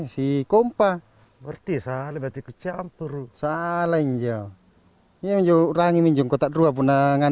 di kompas berarti salah batik campur salah injil yang juga rangin jengkel tak dua punangan